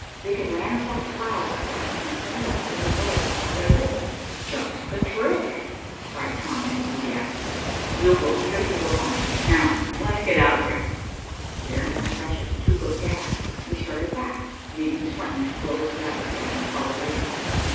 They can ransack the files for us, and send us the result of their labor." "Just the trick," cried Tom enthusiastically. "We'll go straight to work on it. Now let's get out of here." Bearing our precious tube of gas, we started back, leaving Swenton to close the laboratory and follow later.